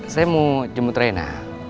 saya mau jemput reina